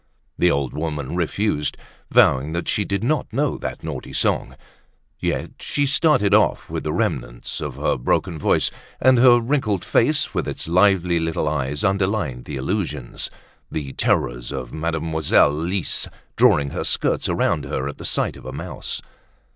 The old woman refused, vowing that she did not know that naughty song. Yet she started off with the remnants of her broken voice; and her wrinkled face with its lively little eyes underlined the allusions, the terrors of Mademoiselle Lise drawing her skirts around her at the sight of a mouse.